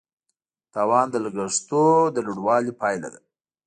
تاوان د لګښتونو د لوړوالي پایله ده.